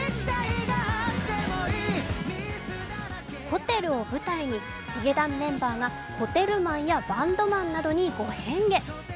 ホテルを舞台にヒゲダンメンバーがホテルマンやバンドマンなどに５変化。